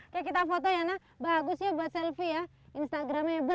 kayak kita foto ya nak bagus ya buat selfie ya instagramable